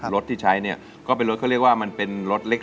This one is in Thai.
รถที่ใช้เนี่ยก็เป็นรถเขาเรียกว่ามันเป็นรถเล็ก